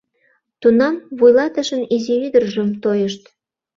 — Тунам вуйлатышын изи ӱдыржым тойышт.